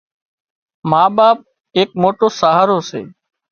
ما ٻاپ ايڪ موٽو سهارو سي